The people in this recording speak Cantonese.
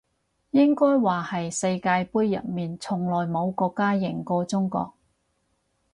應該話係世界盃入面從來冇國家贏過中國